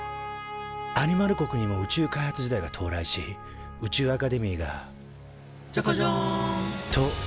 アニマル国にも宇宙開発時代が到来し宇宙アカデミーが「じゃかじゃん！」と誕生。